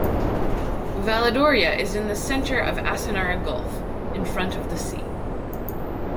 Valledoria is in the center of Asinara gulf, in front of the sea.